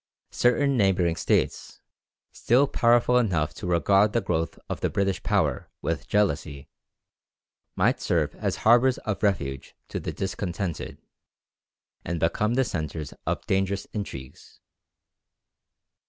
Certain neighbouring States, still powerful enough to regard the growth of the British power with jealousy, might serve as harbours of refuge to the discontented, and become the centres of dangerous intrigues.